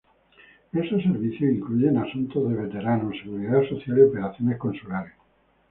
Esos servicios incluyen asuntos de veteranos, seguridad social y operaciones consulares.